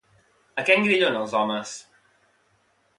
A què engrillona als homes?